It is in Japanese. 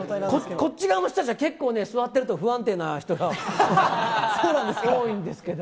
こっち側の人たちは、結構ね、座ってると不安定な人が多いんですけど。